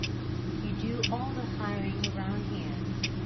You do all the hiring around here.